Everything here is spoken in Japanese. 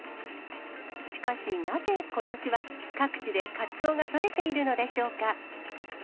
しかしなぜことしは、各地でカツオが取れているのでしょうか。